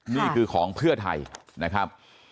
นี่คือของเพื่อไทยนะครับ